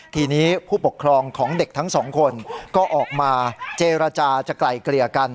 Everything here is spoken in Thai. ทีนี้ผู้ปกครองของเด็กทั้งสองคนก็ออกมาเจรจาจะไกลเกลี่ยกัน